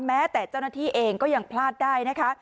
แม้แต่เจ้าหน้าที่เองก็ยังพลาดได้นะคะ